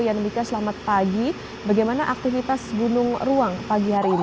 yan mika selamat pagi bagaimana aktivitas gunung ruang pagi hari ini